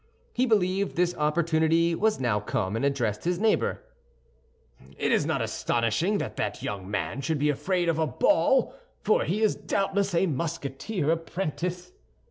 He believed this opportunity was now come and addressed his neighbor: "It is not astonishing that that young man should be afraid of a ball, for he is doubtless a Musketeer apprentice."